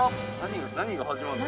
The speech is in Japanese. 何が始まんの？